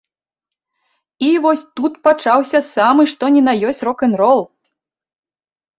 І вось тут пачаўся самы што ні на ёсць рок-н-рол.